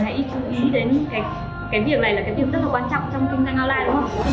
các bạn hãy chú ý đến việc này là điều rất quan trọng trong kinh doanh online